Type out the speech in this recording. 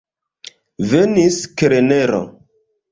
Venis kelnero.